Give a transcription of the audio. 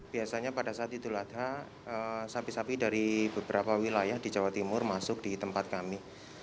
biasanya pada saat idul adha sapi sapi dari beberapa wilayah di jawa timur masuk di tempat kami